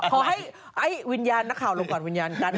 ขอให้วิญญาณนักข่าวลงก่อนวิญญาณกัน